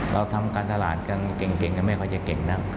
เราทำการตลาดกันเก่งกันไม่ค่อยจะเก่งนัก